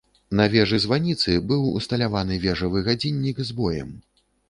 На вежы-званіцы быў усталяваны вежавы гадзіннік з боем.